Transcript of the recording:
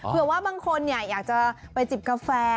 เผื่อว่าบางคนอยากจะไปจิบกาแฟ